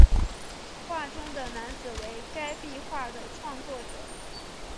画中的男子为该壁画的创作者。